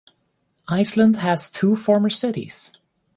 Iceland has two former cities.